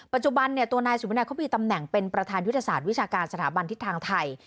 ปัจจุบันตัวนายสุมนาเขามีตำแหน่งเป็นประธานยุทธศาสตร์วิชาการสถาบันทิศทางไทย